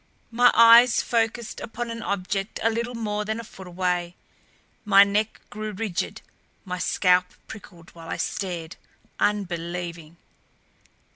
My eyes focused upon an object a little more than a foot away; my neck grew rigid, my scalp prickled while I stared, unbelieving.